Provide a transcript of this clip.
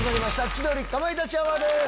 『千鳥かまいたちアワー』です。